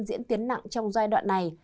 diễn tiến nặng trong giai đoạn này